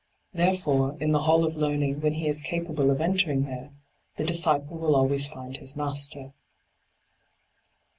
Therefore, in the Hall of Learning, when he is capable of entering there, the disciple will always find his master.